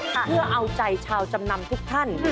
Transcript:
เพื่อเอาใจชาวจำนำทุกท่าน